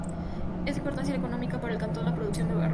Es de importancia económica para el cantón la producción arrocera.